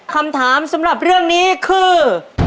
คำถามสำหรับเรื่องนี้คือ